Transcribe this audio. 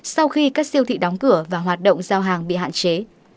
sau khi các siêu thị đóng cửa và hoạt động giao hàng bị hạn chế